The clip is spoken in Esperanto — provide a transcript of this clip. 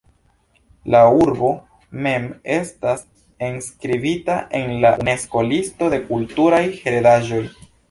La urbo mem estas enskribita en la Unesko-listo de kulturaj heredaĵoj.